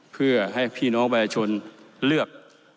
เพื่อให้พี่น้องประชาชนเลือก